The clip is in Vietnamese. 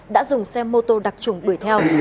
đã dùng xe mô tô đặc trùng đuổi theo